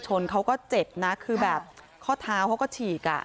ชนเขาก็เจ็บนะคือแบบข้อเท้าเขาก็ฉีกอ่ะ